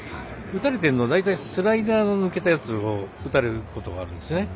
打たれているの大体スライダーを抜けたやつ打たれることがあるんですね。